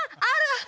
ある！